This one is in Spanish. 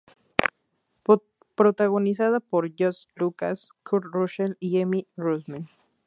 Protagonizada por Josh Lucas, Kurt Russell y Emmy Rossum.